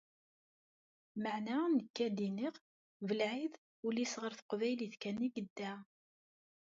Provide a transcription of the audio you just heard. Meɛna nekk a-d-iniɣ : Belɛid, ul-is ɣer teqbaylit kan i yedda.